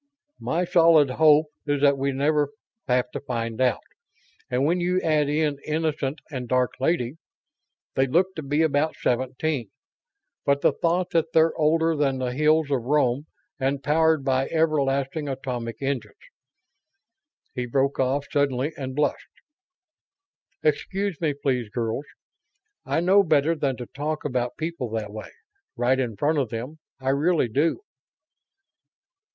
"My solid hope is that we never have to find out. And when you add in Innocent and Dark Lady.... They look to be about seventeen, but the thought that they're older than the hills of Rome and powered by everlasting atomic engines " He broke off suddenly and blushed. "Excuse me, please, girls. I know better than to talk about people that way, right in front of them; I really do."